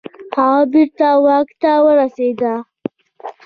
هغه بیرته واک ته ورسیده.